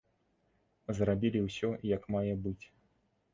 Зрабілі ўсё як мае быць.